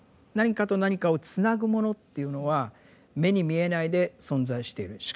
何かと何かをつなぐものっていうのは目に見えないで存在している。